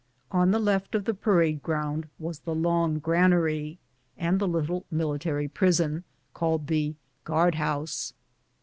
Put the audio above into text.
On the left of the parade ground was the long granary and the little military prison, called the " gnard house."